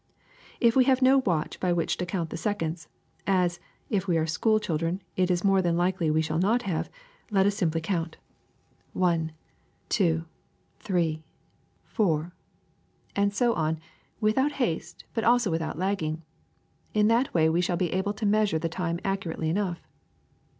If we have no watch by which to count the seconds — as, if we are school children, it is more than likely we shall not have — let us simply count 'One, 374 THE SECRET OF EVERYDAY THINGS two, three, four,' and so on, without haste, but also without lagging. In that way we shall be able to measure the time accurately enough.